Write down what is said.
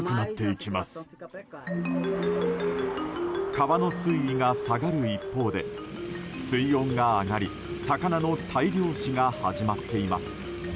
川の水位が下がる一方で水温が上がり魚の大量死が始まっています。